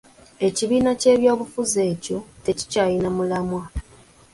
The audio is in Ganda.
Ekibiina ky'ebyobufuzi ekyo tekikyayina mulamwa.